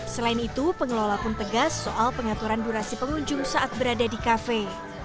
selain itu pengelola pun tegas soal pengaturan durasi pengunjung saat berada di kafe